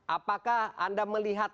apakah anda melihat